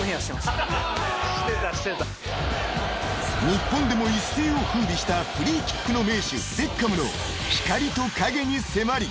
［日本でも一世を風靡したフリーキックの名手ベッカムの光と影に迫り］